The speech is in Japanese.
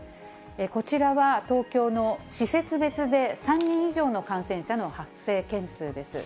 こちらは東京の施設別で３人以上の感染者の発生件数です。